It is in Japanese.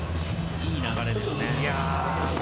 いい流れですね。